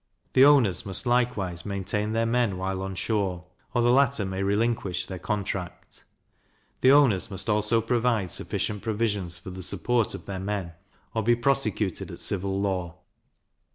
The owners must likewise maintain their men while on shore, or the latter may relinquish their contract. The owners must also provide sufficient provisions for the support of their men, or be prosecuted at civil law.